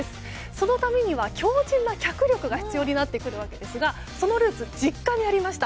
そのためには、強靭な脚力が必要になってくるわけですがそのルーツ、実家にありました。